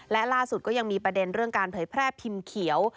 และล่าสุดก็ยังมีประเด็นเรื่องการเผยแพร่พิมพ์เขียว